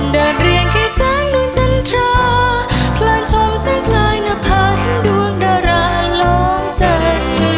เดินเรียนแค่แสงดวงจันทราพลานช้องแสงไกลหน้าพาให้ดวงดาวราลองใจ